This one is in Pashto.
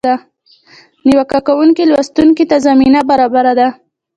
نیوکه کوونکي لوستونکي ته زمینه برابره ده.